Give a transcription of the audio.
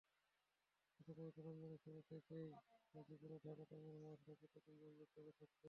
অথচ পবিত্র রমজানের শুরু থেকেই গাজীপুরের ঢাকা-টাঙ্গাইল মহাসড়কে প্রতিদিন যানজট লেগে থাকছে।